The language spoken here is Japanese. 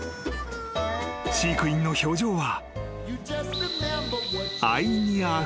［飼育員の表情は］